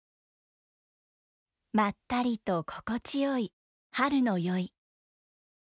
まったりと心地よい春の宵。